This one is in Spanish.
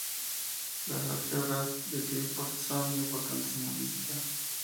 Las álgebras de Clifford son importantes en la física.